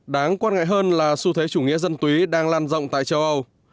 đáng quan ngại hơn là xu thế chủ nghĩa dân túy đang lan rộng tại châu âu